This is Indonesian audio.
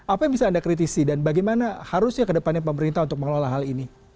apa yang bisa anda kritisi dan bagaimana harusnya ke depannya pemerintah untuk mengelola hal ini